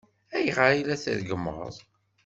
Ayɣer ay la treggmeḍ?